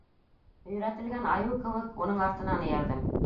Өйрәтелгән айыу кеүек уның артынан эйәрҙем.